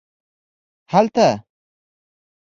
هلته